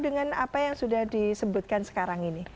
dengan apa yang sudah disebutkan sekarang ini